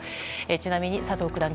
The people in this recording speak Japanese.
ちなみに佐藤九段